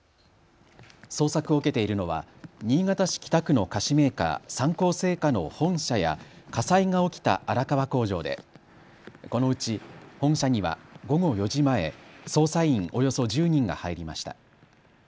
捜索を受けているのは新潟市北区の菓子メーカー、三幸製菓の本社や火災が起きた荒川工場でこのうち本社には午後４時前、捜査員およそ１０人が入りました。